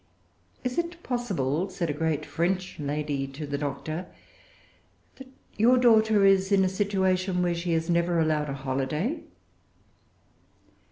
"Is it possible," said a great French lady to the Doctor, "that your daughter is in a situation where she is never allowed a holiday?"